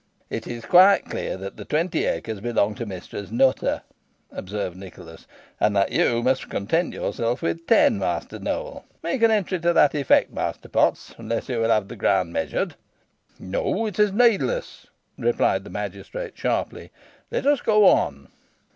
"It is quite clear that the twenty acres belong to Mistress Nutter," observed Nicholas, "and that you must content yourself with ten, Master Nowell. Make an entry to that effect, Master Potts, unless you will have the ground measured." "No, it is needless," replied the magistrate, sharply; "let us go on."